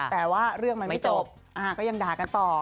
แต่ว่าเรื่องมันไม่จบก็ยังด่ากันต่อ